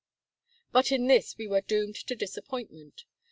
But in this we were doomed to disappointment.